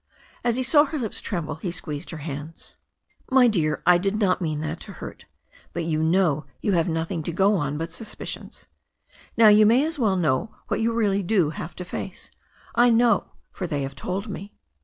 As he saw her lips tremble he squeezed her hands. "My dear. I did not mean that to hurt. But you know THE STORY OF A NEW ZEALAND RIVER 329 you have nothing to go on but suspicions. Now, you may as well know what you really do have to face. I know, for they have told me."